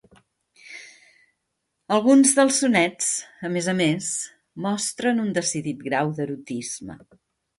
Alguns dels sonets, a més a més, mostren un decidit grau d'erotisme.